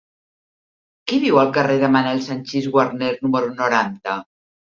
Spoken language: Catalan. Qui viu al carrer de Manuel Sanchis Guarner número noranta?